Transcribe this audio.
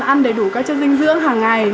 ăn đầy đủ các chất dinh dưỡng hàng ngày